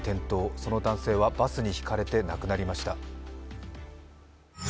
その男性はバスにひかれて亡くなりました。